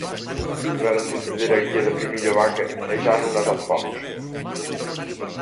Deberon de perder a guía da primeira vaca e xa non as atopamos.